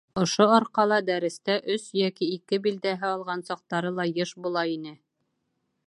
Ошо арҡала дәрестә өс йәки ике билдәһе алған саҡтары ла йыш була ине.